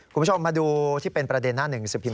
คุณผู้ชมมาดูที่เป็นประเด็นหน้าหนึ่งสิบพิพ